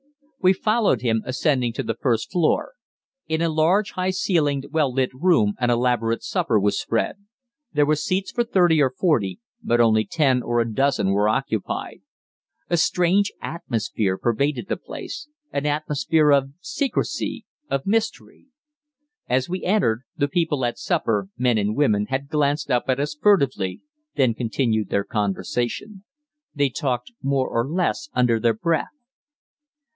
We followed him, ascending to the first floor. In a large, high ceilinged, well lit room an elaborate supper was spread. There were seats for thirty or forty, but only ten or a dozen were occupied. A strange atmosphere pervaded the place, an atmosphere of secrecy, of mystery. As we entered, the people at supper, men and women, had glanced up at us furtively, then continued their conversation. They talked more or less under their breath.